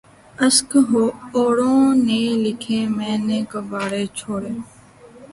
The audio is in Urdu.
اشک اوروں نے لکھے مَیں نے غبارے چھوڑے